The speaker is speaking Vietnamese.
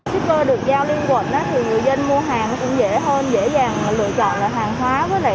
shipper được giao liên quận thì người dân mua hàng cũng dễ hơn dễ dàng lựa chọn hàng hóa